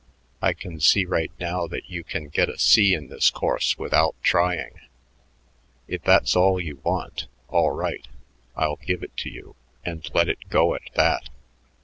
I can see right now that you can get a C in this course without trying. If that's all you want, all right, I'll give it to you and let it go at that.